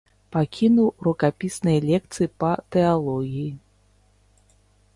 Пакінуў рукапісныя лекцыі па тэалогіі.